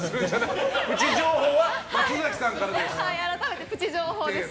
プチ情報は松崎さんからです。